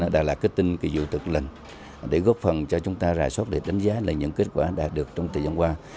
đà lạt kết tinh kỳ vụ tự lệnh để góp phần cho chúng ta rà soát để đánh giá lại những kết quả đạt được trong thời gian qua